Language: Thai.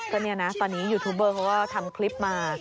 ก็เนี่ยนะตอนนี้ยูทูบเบอร์เขาก็ทำคลิปมา